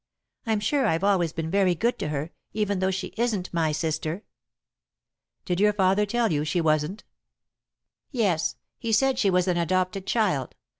I'm sure I've always been very good to her, even though she isn't my sister." "Did your father tell you she wasn't?" "Yes. He said she was an adopted child.